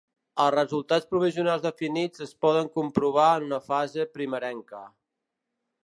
Els resultats provisionals definits es poden comprovar en una fase primerenca.